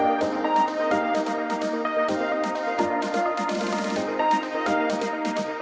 namun usaha yang membuat kita capek telah cuma berjalan dari masyarakat ke negara kita